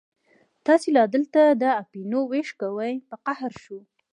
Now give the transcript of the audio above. تاسې لا دلته د اپینو وېش کوئ، په قهر شو.